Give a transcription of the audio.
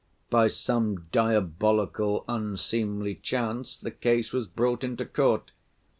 By some diabolical unseemly chance the case was brought into court.